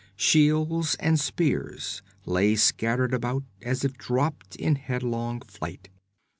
Shields and spears lay scattered about as if dropped in headlong flight.